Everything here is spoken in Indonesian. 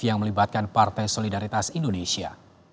yang melibatkan partai solidaritas indonesia